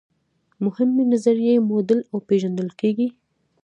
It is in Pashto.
مهمې نظریې موډل او پیژندل کیږي.